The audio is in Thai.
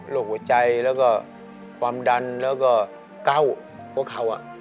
โรคหัวใจแล้วก็ความดันแล้วก็เก้าเพราะเขาอะ